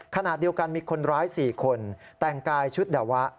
ขณะเดียวกันมีคนร้าย๔คนแต่งกายชุดดาวะ